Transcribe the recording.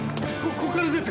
ここから出てる。